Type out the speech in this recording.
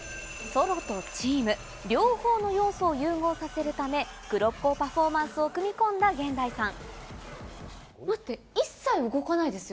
ソロとチーム、両方の要素を融合させるため黒子パフォーマンスを組み込んだＧＥＮＤＡＩさん。